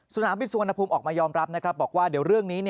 สนามบินสุวรรณภูมิออกมายอมรับนะครับบอกว่าเดี๋ยวเรื่องนี้